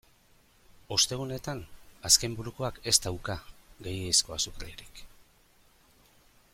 Ostegunetan azkenburukoak ez dauka gehiegizko azukrerik.